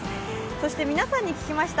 そして皆さんに聞きました。